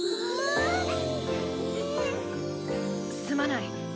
すまない。